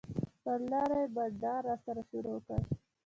پر لاره یې بنډار راسره شروع کړ.